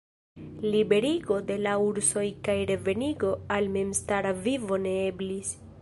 Liberigo de la ursoj kaj revenigo al memstara vivo ne eblis.